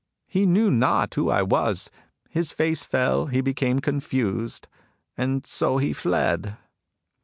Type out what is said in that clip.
He knew not who I was. His face fell. He became confused. And so he fled."